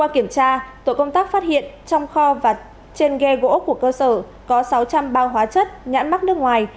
tổ công tác phát hiện trong kho và trên ghe gỗ của cơ sở có sáu trăm linh bao hóa chất nhãn mắc nước ngoài